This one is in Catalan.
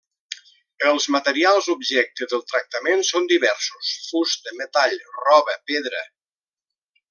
Els materials objecte del tractament són diversos: fusta, metall, roba, pedra.